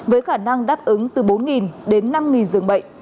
với khả năng đáp ứng từ bốn đến năm dường bệnh